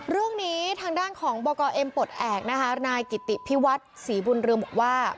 เรื่องนี้ทางด้านของบกเอ็มปลดแอบนะคะนายกิติพิวัฒน์ศรีบุญเรืองบอกว่า